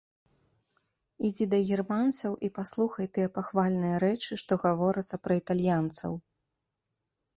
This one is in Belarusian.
Ідзі да германцаў і паслухай тыя пахвальныя рэчы, што гаворацца пра італьянцаў!